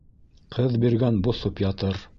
Ҡыҙ биргән боҫоп ятыр